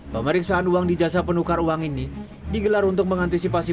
pemeriksaan uang di jasa penukar uang ini digelar untuk mengantisipasi